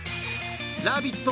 ラヴィット！